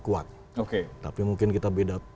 kuat tapi mungkin kita beda